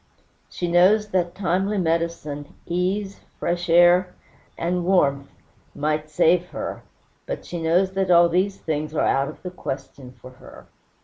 She knows that timely medicine, ease, fresh air, and warmth might save her; but she knows that all these things are out of the question for her.